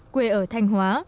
quê ở thanh hóa